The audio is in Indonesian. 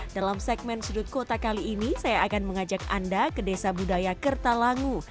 dalam segmen sudut kota kali ini saya akan mengajak anda ke desa budaya kertalangu